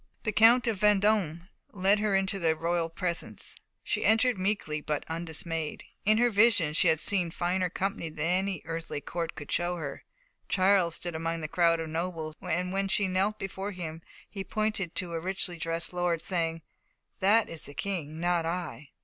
The Count of Vendôme led her into the royal presence. She entered meekly, but undismayed; in her visions she had seen finer company than any earthly court could show her. Charles stood among the crowd of nobles, and when she knelt before him he pointed to a richly dressed lord, saying: "That is the King, not I."